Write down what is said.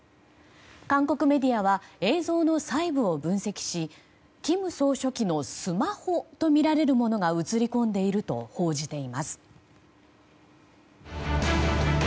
韓国メディアは映像の細部を分析し金総書記のスマホとみられるものが映り込んでいると報じています。